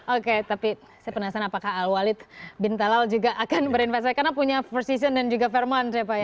oke tapi saya penasaran apakah al walid bin talal juga akan berinvestasi karena punya first season dan juga fairmont ya pak ya